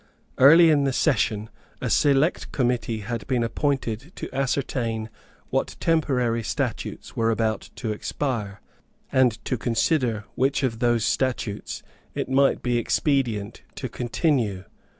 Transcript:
Early in the session a select committee had been appointed to ascertain what temporary statutes were about to expire, and to consider which of those statutes it might be expedient to continue.